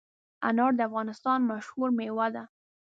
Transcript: انار د افغانستان مشهور مېوه ده.